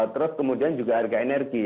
terus kemudian juga harga energi